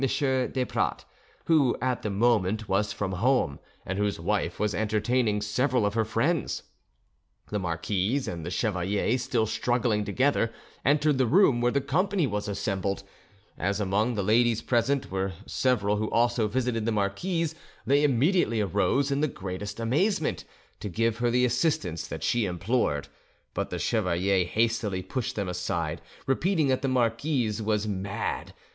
Desprats, who at the moment was from home, and whose wife was entertaining several of her friends. The marquise and the chevalier, still struggling together, entered the room where the company was assembled: as among the ladies present were several who also visited the marquise, they immediately arose, in the greatest amazement, to give her the assistance that she implored; but the chevalier hastily pushed them aside, repeating that the marquise was mad.